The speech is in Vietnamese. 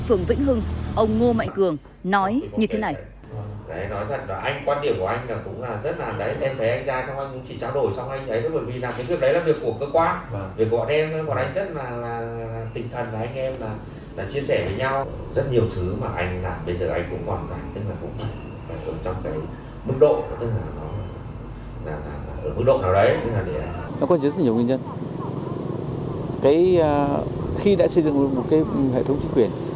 phường vĩnh hưng ông ngô mạnh cường nói như thế này